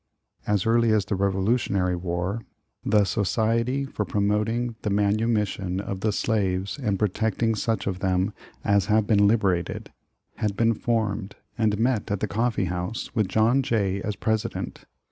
As early as the Revolutionary War, "The Society for Promoting the Manumission of the Slaves, and Protecting Such of Them as have been Liberated," had been formed, and met at the Coffee House, with John Jay as President.